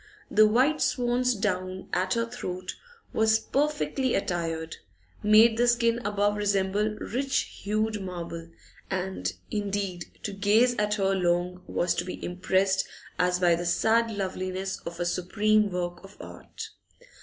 The white swan's down at her throat she was perfectly attired made the skin above resemble rich hued marble, and indeed to gaze at her long was to be impressed as by the sad loveliness of a supreme work of art.